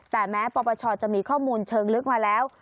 แต่แม้ปปชจะมีข้อมูลเชิงลึกมาแล้ว